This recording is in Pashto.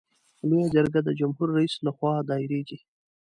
لویه جرګه د جمهور رئیس له خوا دایریږي.